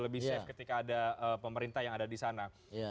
lebih safe ketika ada pemerintah yang ada di sana